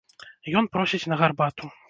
Ён просіць на гарбату.